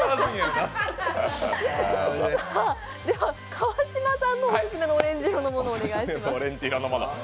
では川島さんのオススメのオレンジ色のものお願いします。